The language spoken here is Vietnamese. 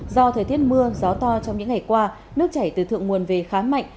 do thời tiết mưa gió to trong những ngày qua nước chảy từ thượng nguồn về khá mạnh